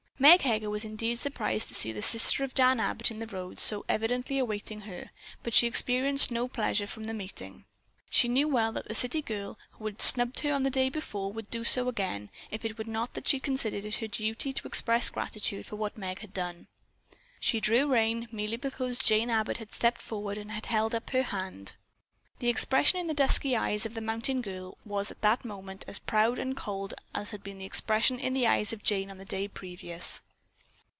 Meg Heger was indeed surprised to see the sister of Dan Abbott in the road so evidently awaiting her, but she experienced no pleasure from the meeting. She well knew that the city girl, who had snubbed her on the day before, would again do so, if it were not that she considered it her duty to express gratitude for what Meg had done. She drew rein, merely because Jane Abbott had stepped forward and had held up her hand. The expression in the dusky eyes of the mountain girl was at that moment as proud and cold as had been the expression in the eyes of Jane on the day previous.